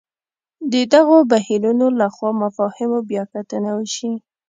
د دغو بهیرونو له خوا مفاهیمو بیا کتنه وشي.